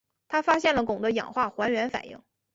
他发现了汞的氧化还原反应。